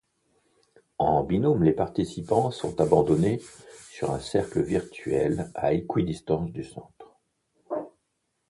En binôme, les participants sont abandonnés sur un cercle virtuel à équidistance du centre.